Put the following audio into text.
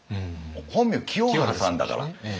本名清張さんだから。